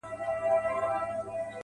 پوهېږم چي زموږه محبت له مينې ژاړي~